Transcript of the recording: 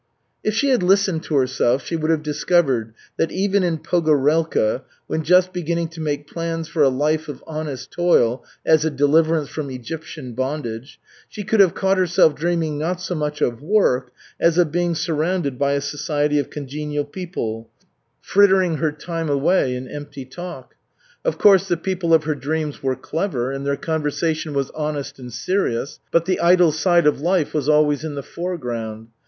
If she had listened to herself, she would have discovered that even in Pogorelka, when just beginning to make plans for a life of honest toil as a deliverance from Egyptian bondage, she could have caught herself dreaming not so much of work as of being surrounded by a society of congenial people, frittering her time away in empty talk. Of course, the people of her dreams were clever, and their conversation was honest and serious, but the idle side of life was always in the foreground.